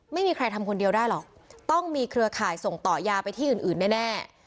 ไม่มีใครทำคนเดียวได้หรอกต้องมีเครือข่ายส่งต่อยาไปที่อื่นแน่